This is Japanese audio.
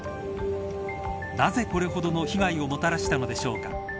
なぜ、これほどの被害をもたらしたのでしょうか。